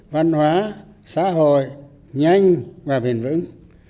văn hóa xã hội nhanh và bền vững